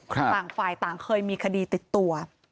ต่างฝ่ายต่างเคยมีคดีติดตัว